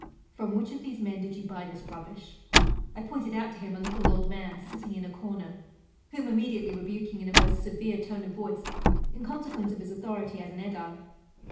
From which of these men did you buy this rubbish ? I pointed out to him a little old man sitting in a corner, whom immediately rebuking in a most severe tone of voice, in consequence of his authority as an edile.